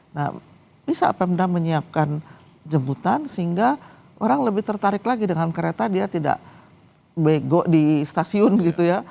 nah bisa pemda menyiapkan jemputan sehingga orang lebih tertarik lagi dengan kereta dia tidak bego di stasiun gitu ya